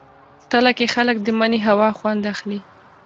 تله کې خلک د مني هوا خوند اخلي.